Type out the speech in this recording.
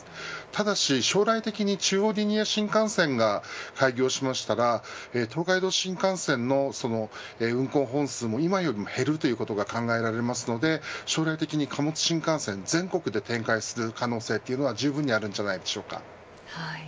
ただし将来的に中央リニア新幹線が開業したら東海道新幹線の運行本数も今より減るということが考えられますので将来的に貨物新幹線、全国で展開する可能性もじゅうぶんにあるんじゃないでしょうか。